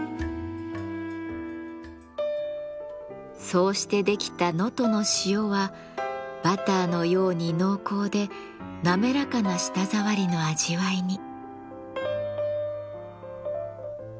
そうして出来た能登の塩はバターのように濃厚でなめらかな舌触りの味わいに。